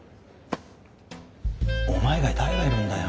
お前以外誰がいるんだよ。